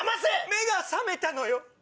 目が覚めたのよ。